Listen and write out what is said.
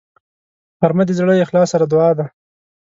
غرمه د زړه له اخلاص سره دعا ده